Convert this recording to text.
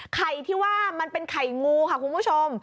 ไข่ที่ว่ามันเป็นไข่งูค่ะคุณผู้ชม